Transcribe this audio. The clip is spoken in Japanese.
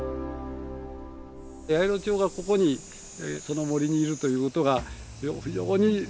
ヤイロチョウがここにこの森にいるということが非常に大きな